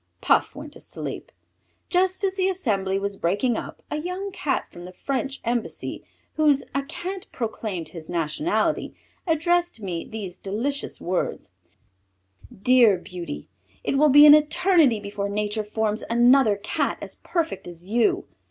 Puff went to sleep. Just as the assembly was breaking up a young Cat from the French embassy, whose accent proclaimed his nationality, addressed me these delicious words: "Dear Beauty, it will be an eternity before Nature forms another Cat as perfect as you.